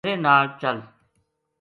میرے ناڑ چل